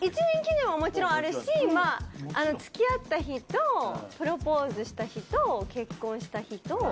１年記念はもちろんあるしつきあった日とプロポーズした日と結婚した日と。